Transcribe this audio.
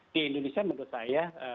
di indonesia menurut saya